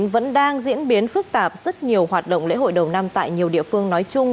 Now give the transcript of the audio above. vẫn đang diễn biến phức tạp rất nhiều hoạt động lễ hội đầu năm tại nhiều địa phương nói chung